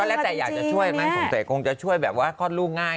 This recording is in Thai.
แล้วแต่อยากจะช่วยมั้งสงสัยคงจะช่วยแบบว่าคลอดลูกง่าย